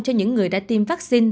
cho những người đã tiêm vaccine